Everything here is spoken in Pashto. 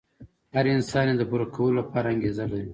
هر انسان يې د پوره کولو لپاره انګېزه لري.